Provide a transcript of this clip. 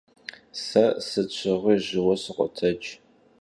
Se sıt şığui jıue sıkhotec.